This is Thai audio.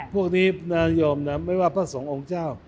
พวกนี้นายอมนะไม่ว่าพระสงฆ์องค์เจ้า